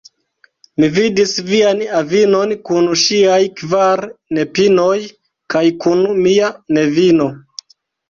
Mi vidis vian avinon kun ŝiaj kvar nepinoj kaj kun mia nevino.